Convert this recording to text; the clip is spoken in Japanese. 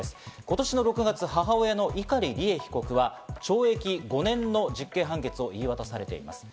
今年６月、母親の碇利恵被告が懲役５年の実刑判決を言い渡されています。